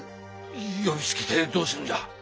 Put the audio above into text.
呼びつけてどうするんじゃ？